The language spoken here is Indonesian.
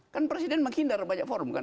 kan presiden menghindar banyak forum kan